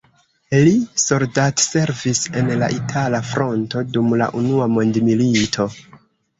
Li soldatservis en la itala fronto dum la unua mondmilito.